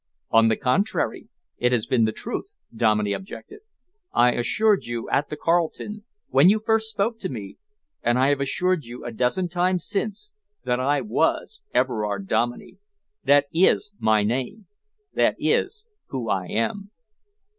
"On the contrary, it has been the truth," Dominey objected. "I assured you at the Carlton, when you first spoke to me, and I have assured you a dozen times since, that I was Everard Dominey. That is my name. That is who I am."